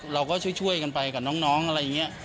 เราก็ช่วยกันไปกับน้องอะไรอย่างนี้